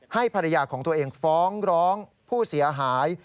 ให้ภรรยาของตัวเองฟ้องร้องผู้เสียหาย